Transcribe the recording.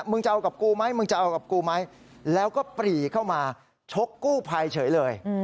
จะเอากับกูไหมมึงจะเอากับกูไหมแล้วก็ปรีเข้ามาชกกู้ภัยเฉยเลย